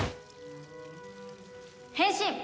変身！